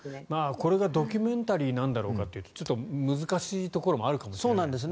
これがドキュメンタリーなんだろうかというとちょっと難しいところもあるかもしれないですね。